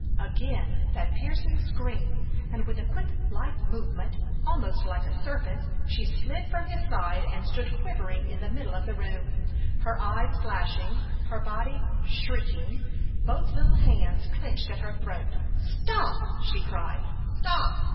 Again that piercing scream, and with a quick, lithe movement, almost like a serpent, she slid from his side and stood quivering in the middle of the room, her eyes flashing, her body shrinking, both little hands clenched at her throat. "Stop!" she cried. "Stop!"